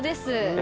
え